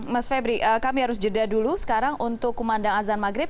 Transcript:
mas febri kami harus jeda dulu sekarang untuk kumandang azan maghrib